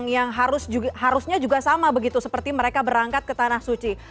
yang harusnya juga sama begitu seperti mereka berangkat ke tanah suci